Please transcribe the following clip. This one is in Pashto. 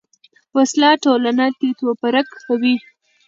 وسله ټولنه تیت و پرک کوي